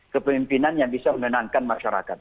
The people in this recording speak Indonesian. kepemimpinan yang bisa menenangkan masyarakat